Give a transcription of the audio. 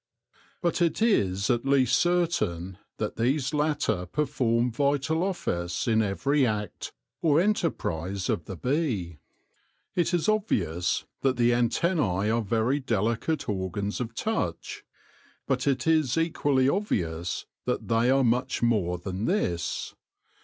But it is at least certain that these latter perform vital office in every act or enterprise of the bee. It is obvious that the antennae are very delicate organs of touch, but it is equally obvious that they are much more than this.